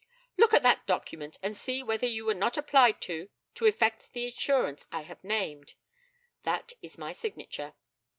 Look at that document and see whether you were not applied to to effect the insurance I have named? That is my signature.